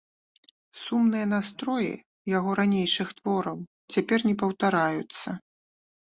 Сумныя настроі яго ранейшых твораў цяпер не паўтараюцца.